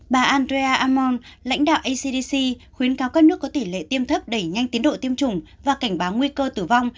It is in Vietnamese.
bà andrea ammon lãnh đạo acdc khuyến cáo các nước có tỷ lệ tiêm thấp đẩy nhanh tiến độ tiêm chủng và cảnh báo nguy cơ tử vong